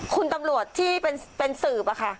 คุณตำรวจที่เป็นสืบอะค่ะ